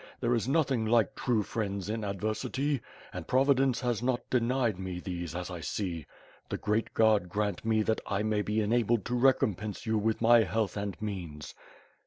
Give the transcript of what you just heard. ♦ There is nothing like true friends in adversity, and Providence has not denied me these, as I see. The Great God grant me that I may be enabled to recompense you with my health and means.